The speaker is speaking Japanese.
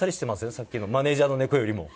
さっきのマネージャーの猫よりも。